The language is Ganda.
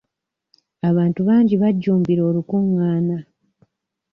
Abantu bangi bajjumbira olukungaana.